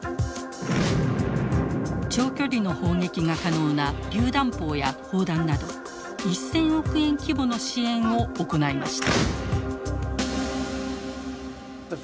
長距離の砲撃が可能なりゅう弾砲や砲弾など１，０００億円規模の支援を行いました。